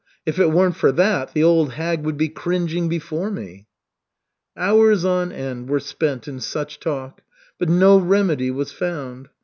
If it weren't for that, the old hag would be cringing before me." Hours on end were spent in such talk, but no remedy was found.